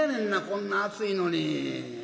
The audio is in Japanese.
こんな暑いのに。